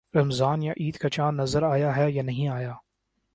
رمضان یا عید کا چاند نظر آیا ہے یا نہیں آیا؟